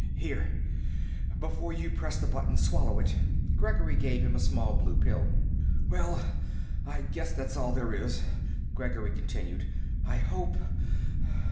"Here. Before you press the button, swallow it." Gregory gave him a small blue pill. "Well, I guess that's all there is," Gregory continued. "I hope...."